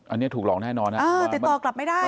อันนี้ถูกหลอกแน่นอนนะติดต่อกลับไม่ได้